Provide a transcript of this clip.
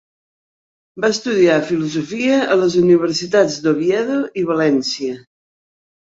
Va estudiar filosofia a les universitats d'Oviedo i València.